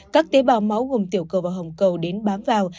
các tế bào máu gồm tiểu cầu và hồng cầu đến bám vào